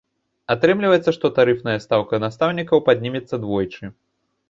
Атрымліваецца, што тарыфная стаўка настаўнікаў паднімецца двойчы.